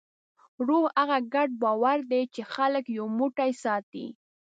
روح هغه ګډ باور دی، چې خلک یو موټی ساتي.